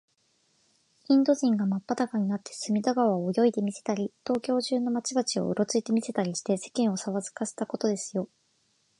インド人がまっぱだかになって、隅田川を泳いでみせたり、東京中の町々を、うろついてみせたりして、世間をさわがせたことですよ。